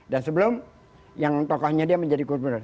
dan sebelum yang tokohnya dia menjadi gubernur